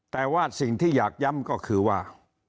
แต่ว่าสิ่งที่อยากย้ำก็คือว่า